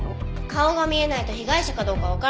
顔が見えないと被害者かどうかわからないの。